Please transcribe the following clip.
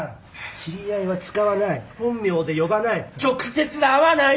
知り合いは使わない本名で呼ばない直接会わない！